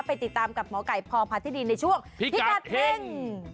ไปติดตามกับหมอไก่พรพัฒน์ที่ดีในช่วงพิกัดเพ็ง